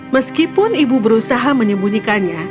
meskipun ibu berusaha menyembunyikannya